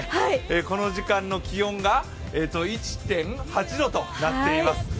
この時間の気温が１．８度となっています。